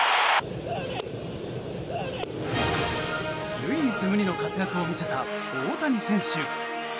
唯一無二の活躍を見せた大谷選手。